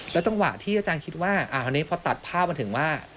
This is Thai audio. แล้วตั้งวันที่อาจารย์คิดว่าอันนี้พอตัดภาพมาถึงว่า